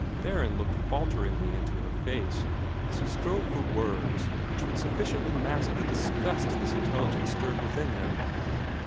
Theron looked falteringly into her face, as he strove for words which should sufficiently mask the disgust this intelligence stirred within him.